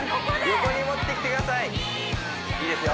横に持ってきてくださいいいですよ